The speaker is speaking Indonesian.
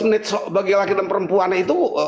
lima belas menit bagi laki laki perempuan itu